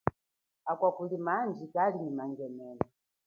Akwa kulima andji kali nyi mangenene.